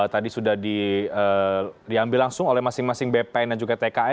tadi sudah diambil langsung oleh masing masing bpn dan juga tki